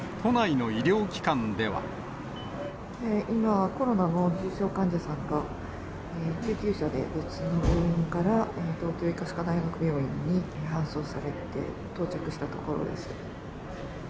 今、コロナの重症患者さんが、救急車で別の病院から、東京医科歯科大学病院に搬送されて到着したところです。